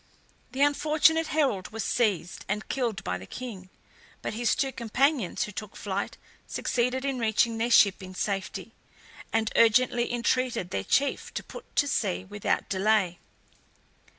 The unfortunate herald was seized and killed by the king; but his two companions, who took to flight, succeeded in reaching their ship in safety, and urgently entreated their chief to put to sea without delay.